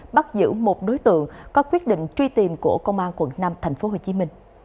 bắt giữ một đối tượng có quyết định truy tìm của công an quận năm tp hcm